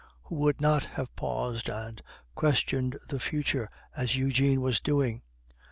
Who would not have paused and questioned the future as Eugene was doing?